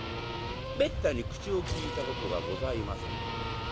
めったに口を利いたことがございません。